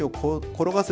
転がす。